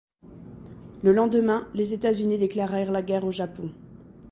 Le lendemain, les États-Unis déclarèrent la guerre au Japon.